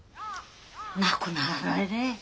なくならないね。